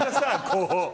こう。